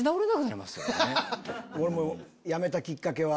俺もやめたきっかけは。